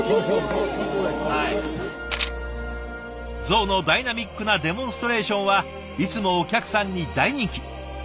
ゾウのダイナミックなデモンストレーションはいつもお客さんに大人気。